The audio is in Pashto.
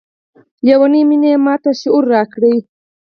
لیونۍ میني یې ماته شعور راکړی